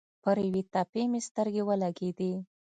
پر یوې تپې مې سترګې ولګېدې.